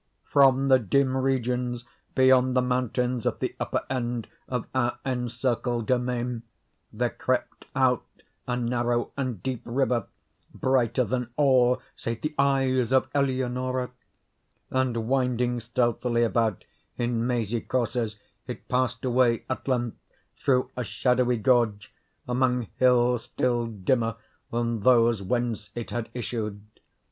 From the dim regions beyond the mountains at the upper end of our encircled domain, there crept out a narrow and deep river, brighter than all save the eyes of Eleonora; and, winding stealthily about in mazy courses, it passed away, at length, through a shadowy gorge, among hills still dimmer than those whence it had issued.